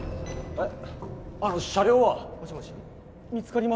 えっ？